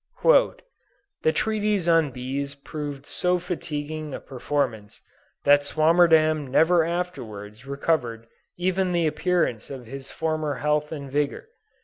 "This treatise on Bees proved so fatiguing a performance, that Swammerdam never afterwards recovered even the appearance of his former health and vigor.